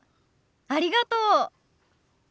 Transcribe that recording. ありがとう。